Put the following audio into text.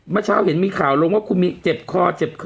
เมื่อเช้าเห็นมีข่าวลงว่าคุณมีเจ็บคอเจ็บคอ